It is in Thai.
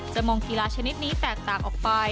มองกีฬาชนิดนี้แตกต่างออกไป